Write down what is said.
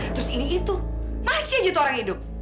terus ini itu masih aja gitu orang hidup